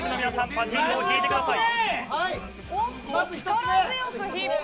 パチンコを引いてください。